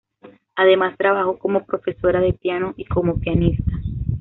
Además, trabajó como profesora de piano y como pianista.